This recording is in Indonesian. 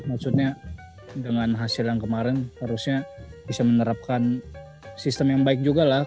maksudnya dengan hasil yang kemarin harusnya bisa menerapkan sistem yang baik juga lah